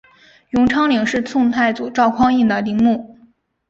永昌陵是宋太祖赵匡胤的陵墓。